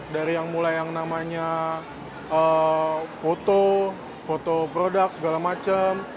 dari yang mulai yang namanya foto foto produk segala macam